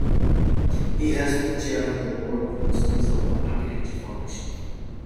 He has been chair of the board of Trustees of The Architecture Foundation.